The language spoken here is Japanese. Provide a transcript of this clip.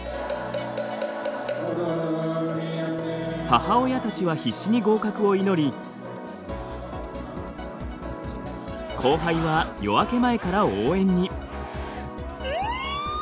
母親たちは必死に合格を祈り後輩は夜明け前から応援に。